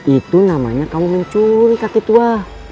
itu namanya kamu mencuri kaki tua